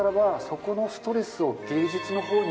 そこのストレスを。